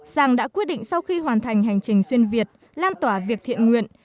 sang đã quyết định sau khi hoàn thành hành trình xuyên việt lan tỏa việc thiện nguyện